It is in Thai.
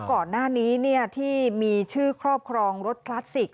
ก่อนหน้านี้ที่มีชื่อครอบครองรถคลาสสิก